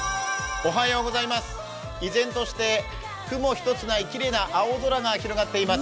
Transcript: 依然として雲一つないきれいな青空が広がっています。